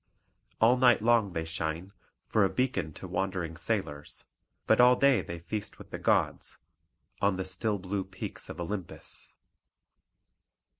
All night long they shine, for a beacon to wandering sailors; but all day they feast with the gods, on the still blue peaks of Olympus.